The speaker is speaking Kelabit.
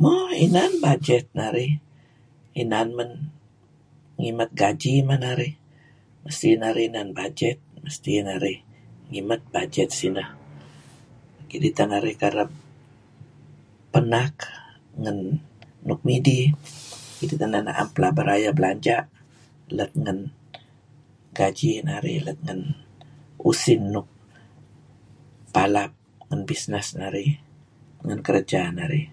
Mo. Inan bajet narih. Inan men ... ngimat gaji men narih. Mesti narih inan bajet, mesti narih ngimet budget sineh kidih teh narih kereb penak ngen nuk midih. Kidih teh narih n'em pelaba rayeh blanja' let ngen gaji narih, let ngen usin nuk palap ngen bisnes narih. Ngen kereja narih.